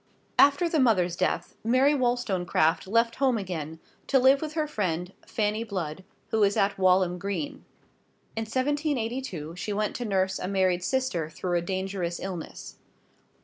After the mother's death, Mary Wollstonecraft left home again, to live with her friend, Fanny Blood, who was at Walham Green. In 1782 she went to nurse a married sister through a dangerous illness.